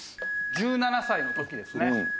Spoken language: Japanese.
１７歳の時ですね。